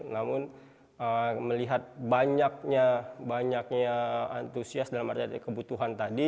namun melihat banyaknya antusias dalam arti arti kebutuhan tadi